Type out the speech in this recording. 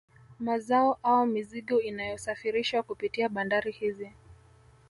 Mazao au mizigo inayosafirishwa kupitia bandari hizi